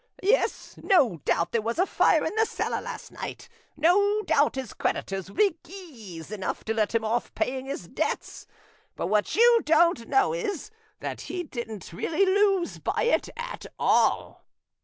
Yes, no doubt there was a fire in the cellar last night, no doubt his creditors will be geese enough to let him off paying his debts! But what you don't know is, that he didn't really lose by it at all!"